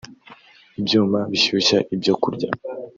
ibyuma bishyushya ibyo kurya